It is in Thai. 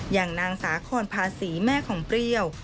อย่างนางสาคอนภาษีแม่ของเปรี้ยว